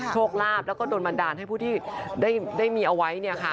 โชคลาภแล้วก็โดนบันดาลให้ผู้ที่ได้มีเอาไว้